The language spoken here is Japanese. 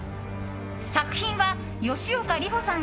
作品は吉岡里帆さん